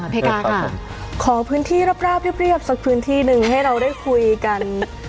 เพกาค่ะขอพื้นที่ราบเรียบสักพื้นที่หนึ่งให้เราได้คุยกัน